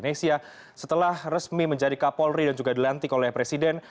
nesya setelah resmi menjadi kapolri dan juga dilantik oleh presiden